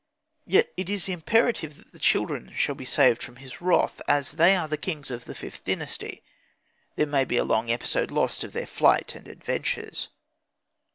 Yet it is imperative that the children shall be saved from his wrath, as they are the kings of the Vth Dynasty. There may be a long episode lost of their flight and adventures.